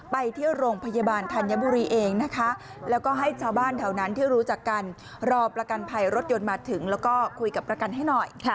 ไปที่โรงพยาบาลธัญบุรีเองนะคะแล้วก็ให้ชาวบ้านแถวนั้นที่รู้จักกันรอประกันภัยรถยนต์มาถึงแล้วก็คุยกับประกันให้หน่อย